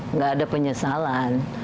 enggak ada penyesalan